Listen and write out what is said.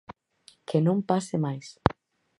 Que non pase máis.